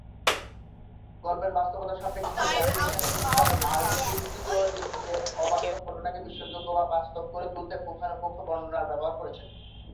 গল্পের বাস্তবতার সাপেক্ষে জহির এখানে কিছুটা মার্কেসীয় রীতিতে অবাস্তব ঘটনাকে বিশ্বাসযোগ্য বা বাস্তব করে তুলতে পুঙ্খানুপুঙ্খ বর্ণনার ব্যবহার করেছেন।